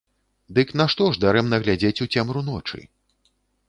Дык нашто ж дарэмна глядзець у цемру ночы?